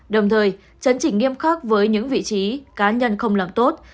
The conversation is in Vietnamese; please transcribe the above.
đồng thời chấn chỉnh nghiêm khắc với những vị trí cá nhân không làm tốt